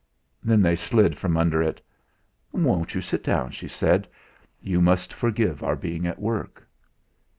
Then they slid from under it. "Won't you sit down?" she said. "You must forgive our being at work."